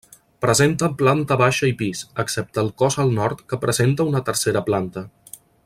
Presenta planta baixa i pis, excepte el cos al nord que presenta una tercera planta.